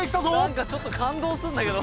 なんかちょっと感動するんだけど。